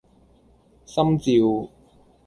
心照